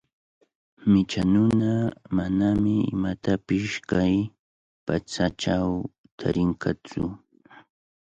Micha nuna manami imatapish kay patsachaw tarinqatsu.